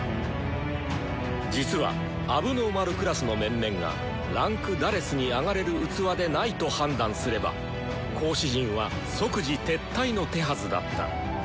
実は問題児クラスの面々が位階「４」に上がれる器でないと判断すれば講師陣は即時撤退の手はずだった。